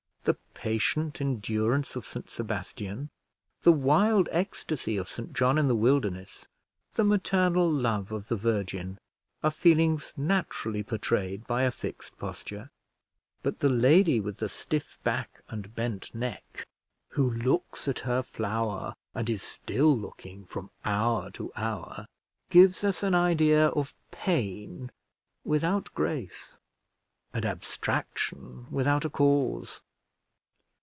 The patient endurance of St Sebastian, the wild ecstasy of St John in the Wilderness, the maternal love of the Virgin, are feelings naturally portrayed by a fixed posture; but the lady with the stiff back and bent neck, who looks at her flower, and is still looking from hour to hour, gives us an idea of pain without grace, and abstraction without a cause.